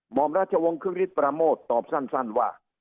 หมอมราชวงศ์คึกฤทธประโมทตอบสั้นว่า